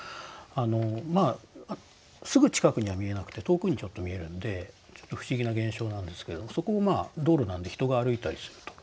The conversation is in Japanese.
まあすぐ近くには見えなくて遠くにちょっと見えるんでちょっと不思議な現象なんですけどそこをまあ道路なんで人が歩いたりすると。